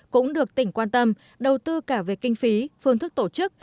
cũng được tỉnh quan tâm đầu tư cả về kinh phí phương thức tổ chức